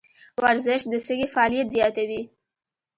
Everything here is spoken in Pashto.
ورزش د سږي فعالیت زیاتوي.